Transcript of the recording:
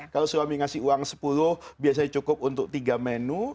kalau suami ngasih uang sepuluh biasanya cukup untuk tiga menu